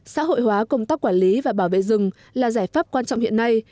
xã hội hóa công tác quản lý và bảo vệ rừng là giải pháp quan trọng hiện nay